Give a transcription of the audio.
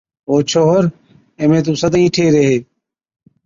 ’او ڇوهر، اِمهين تُون سدائِين اِٺي ريهي،